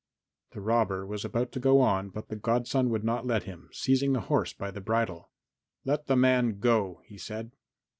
The robber was about to go on, but the godson would not let him, seizing the horse by the bridle. "Let the man go," he said.